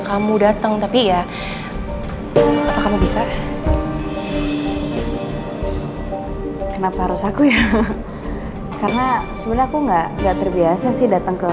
karena sebenernya aku gak terbiasa sih dateng ke